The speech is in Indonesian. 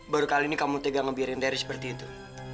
baru kali ini kamu tega ngebiarin terry seperti itu